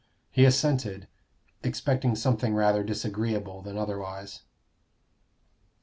He assented, expecting something rather disagreeable than otherwise.